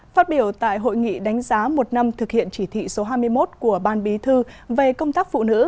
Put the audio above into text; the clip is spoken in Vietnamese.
phát biểu tại hội nghị đánh giá một năm thực hiện chỉ thị số hai mươi một của ban bí thư về công tác phụ nữ